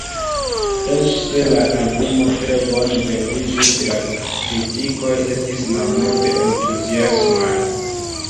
Eĉ se la albumo tre bone vendiĝis, la kritikoj estis malmulte entuziasmaj.